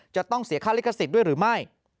จะต้องเสียค่าลิขสิทธิ์ด้วยหรือไม่